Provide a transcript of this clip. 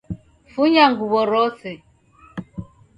Funya nguw'o rose.